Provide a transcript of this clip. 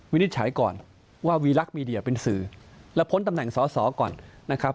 นิจฉัยก่อนว่าวีลักษณ์มีเดียเป็นสื่อแล้วพ้นตำแหน่งสอสอก่อนนะครับ